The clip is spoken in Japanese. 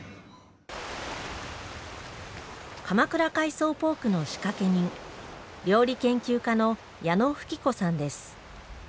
鎌倉海藻ポークの仕掛け人、料理研究家の矢野ふき子さんです。